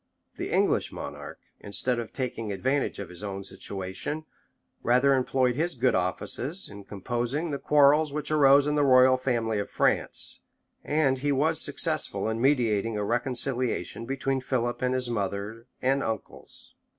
The English monarch, instead of taking advantage of his own situation, rather employed his good offices in composing the quarrels which arose in the royal family of France; and he was successful in mediating a reconciliation between Philip and his mother and uncles.